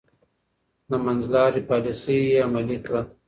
د منځلارۍ پاليسي يې عملي کړه.